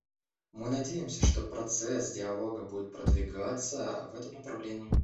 Мы надеемся, что процесс диалога будет продвигаться в этом направлении.